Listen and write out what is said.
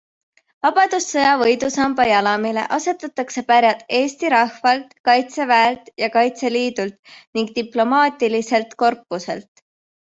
Vabadussõja võidusamba jalamile asetatakse pärjad eesti rahvalt, kaitseväelt ja Kaitseliidult ning diplomaatiliselt korpuselt.